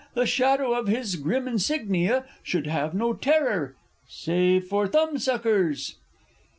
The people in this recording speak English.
The shadow of his grim insignia Should have no terror save for thumb suckers.